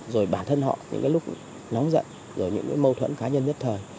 rồi bản thân họ những cái lúc nóng giận rồi những cái mâu thuẫn cá nhân nhất thời